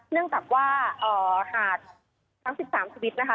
เนื่องจากว่าเอ่อหากทั้งสิบสามชีวิตนะคะ